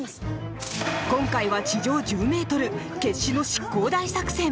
今回は地上１０ｍ決死の執行大作戦！